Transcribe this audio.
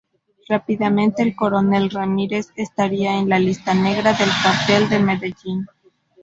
Rápidamente el coronel Ramírez estaría en la lista negra del Cartel de Medellín.